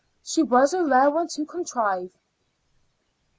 She was a rare one to contrive."